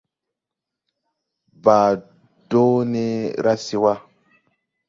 Baa dɔɔ ne ra se wà.